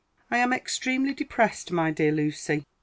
I am extremely depressed, my dear Lucy.